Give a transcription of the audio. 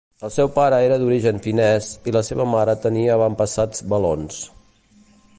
El seu pare era d'origen finès i la seva mare tenia avantpassats valons.